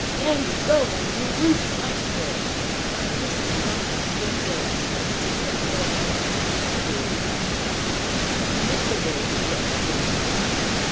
"Damn you, go, or you'll lose sight of her!" "I'm a listenin' after the street door, sir. It ain't gone yet. There it is now!" And with the word he left the room.